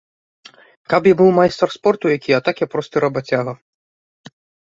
Каб я быў майстар спорту які, а так я просты рабацяга.